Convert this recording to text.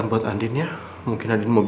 anakmu yang gue pasti kuat